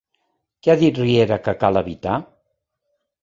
Què ha dit Riera que cal evitar?